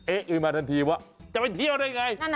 อื่นมาทันทีว่าจะไปเที่ยวได้ไง